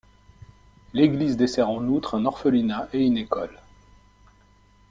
L'église dessert en outre un orphelinat et une école.